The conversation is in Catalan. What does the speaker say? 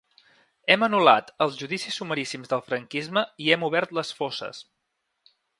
Hem anul·lat els judicis sumaríssims del franquisme i hem obert les fosses.